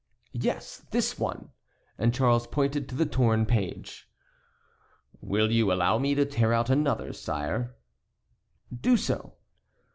"Yes, this one," and Charles pointed to the torn page. "Will you allow me to tear out another, sire?" "Do so."